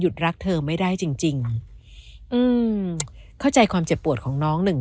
หยุดรักเธอไม่ได้จริงเข้าใจความเจ็บปวดของน้องหนึ่ง